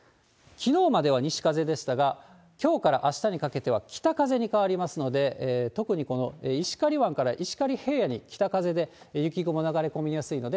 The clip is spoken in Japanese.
きのうまでは西風でしたが、きょうからあしたにかけては北風に変わりますので、特にこの石狩湾から石狩平野に、北風で雪雲流れ込みやすいので、